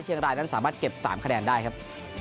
เชียงรายนั้นสามารถเก็บ๓คะแนนได้ครับ